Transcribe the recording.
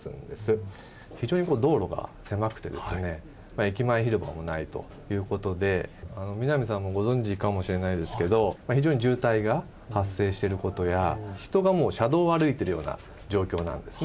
駅前広場もないということで南さんもご存じかもしれないですけど非常に渋滞が発生してることや人がもう車道を歩いてるような状況なんですね。